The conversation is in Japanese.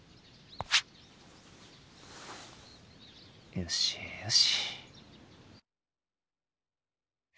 よしよし。